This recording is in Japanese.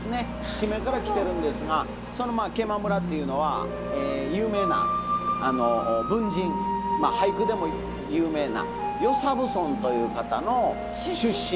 地名から来てるんですがその毛馬村というのは有名な文人まあ俳句でも有名な与謝蕪村という方の出身なんですね。